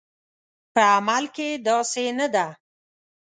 په عمل کې داسې نه ده